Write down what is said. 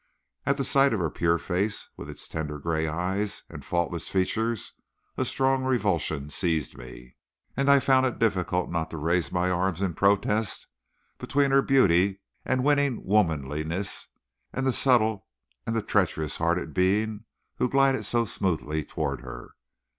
At the sight of her pure face, with its tender gray eyes and faultless features, a strong revulsion seized me, and I found it difficult not to raise my arms in protest between her beauty and winning womanliness and the subtile and treacherous hearted being who glided so smoothly toward her.